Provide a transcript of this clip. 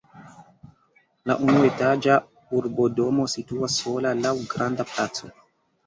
La unuetaĝa urbodomo situas sola laŭ granda placo.